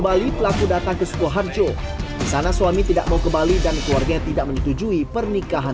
bali pelaku datang ke sukoharjo di sana suami tidak mau ke bali dan keluarganya tidak menyetujui pernikahan